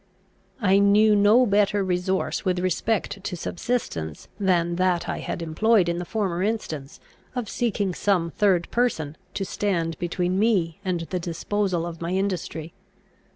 I knew no better resource with respect to subsistence than that I had employed in the former instance, of seeking some third person to stand between me and the disposal of my industry.